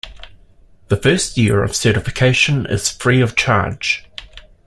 The first year of certification is free of charge.